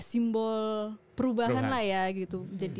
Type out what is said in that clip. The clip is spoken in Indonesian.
simbol perubahan lah ya